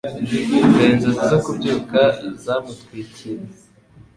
Dore Inzozi zo kubyuka zamutwikire